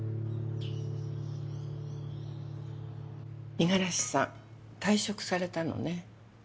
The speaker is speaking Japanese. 五十嵐さん退職されたのね。